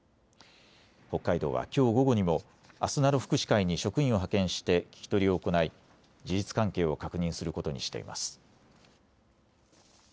北海道はきょう午後にもあすなろ福祉会に職員を派遣して聞き取りを行い、事実関係を確認することにしています。